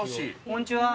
こんにちは。